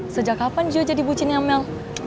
sejak kapan gio jadi bucinan mel